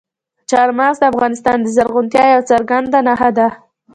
چار مغز د افغانستان د زرغونتیا یوه څرګنده نښه ده.